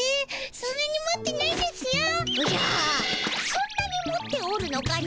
そんなに持っておるのかの？